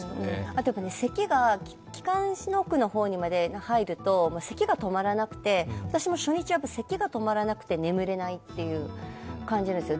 あとせきが気管支の奥の方まで入るとせきが止まらなくて私も初日はせきが止まらなくて眠れないっていう感じです。